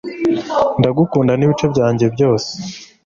ndagukunda n'ibice byanjye byose